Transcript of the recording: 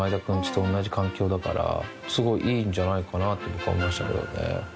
僕は思いましたけどね。